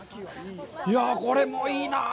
いやあ、これもいいなあ。